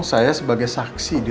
iya pak amar berpihak kepada bu andin